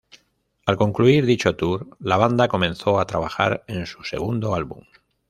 Al concluir dicho tour, la banda comenzó a trabajar en su segundo álbum.